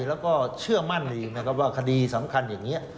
และก็เชื่อมั่นเลยเมื่อว่าคดีสำคัญอย่างนี้